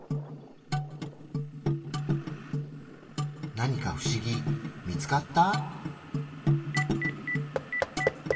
何か不思議見つかった？